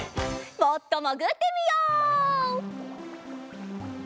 もっともぐってみよう！